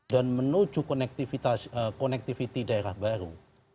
dan menuju connectivity daerah baru